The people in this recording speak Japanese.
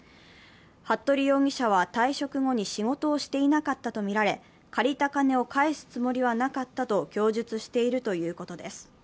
服部容疑者は退職後に仕事をしていなかったとみられ借りた金を返すつもりはなかったと供述しているということです。